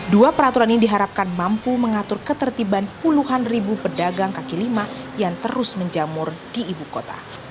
dua peraturan ini diharapkan mampu mengatur ketertiban puluhan ribu pedagang kaki lima yang terus menjamur di ibu kota